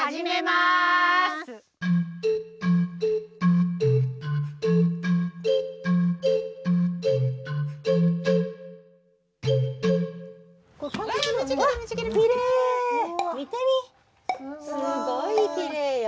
すごいきれいよ。